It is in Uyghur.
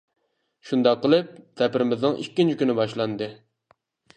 شۇنداق قىلىپ، سەپىرىمىزنىڭ ئىككىنچى كۈنى باشلاندى.